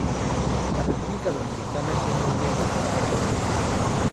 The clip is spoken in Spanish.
La República Dominicana tiene una embajada en Montevideo.